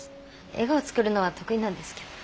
笑顔作るのは得意なんですけど。